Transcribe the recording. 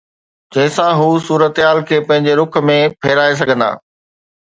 جنهن سان هو صورتحال کي پنهنجي رخ ۾ ڦيرائي سگهندا.